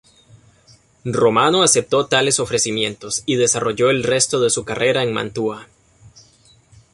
Romano aceptó tales ofrecimientos, y desarrolló el resto de su carrera en Mantua.